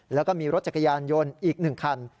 แล้วก็มีรถจักรยานยนต์อีก๑คัน